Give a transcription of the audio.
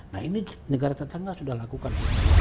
nah ini negara tetangga sudah lakukan